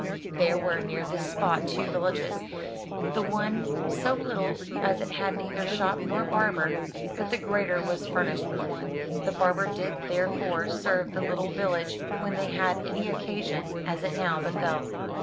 There were near this spot two villages, the one so little as it had neither shop nor barber, but the greater was furnished with one. This barber did there fore serve the little village when they had any occasion, as it now befell.